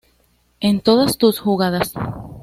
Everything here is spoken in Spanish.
En todas tus jugadas.